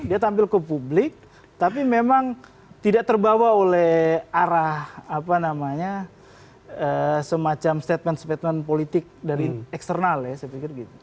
dia tampil ke publik tapi memang tidak terbawa oleh arah semacam statement statement politik dari eksternal ya saya pikir gitu